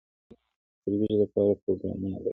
افغانستان د ځنګلونه د ترویج لپاره پروګرامونه لري.